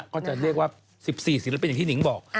ก็จะเรียกว่า๑๔ศิลปินอย่างที่หนิงบอก